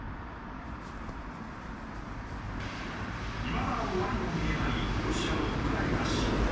いまだ終わりの見えないロシアのウクライナ侵攻。